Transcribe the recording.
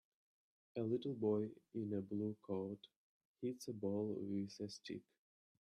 A little boy in a blue coat hits a ball with a stick.